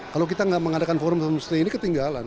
kalau kita nggak mengadakan forum seperti ini ketinggalan